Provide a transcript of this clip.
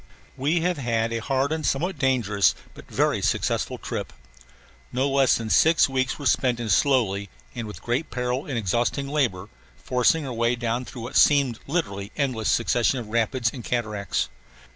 We have had a hard and somewhat dangerous but very successful trip. No less than six weeks were spent in slowly and with peril and exhausting labor forcing our way down through what seemed a literally endless succession of rapids and cataracts.